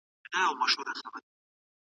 زده کوونکی به زده کړه کوي او تعليم به روان وي.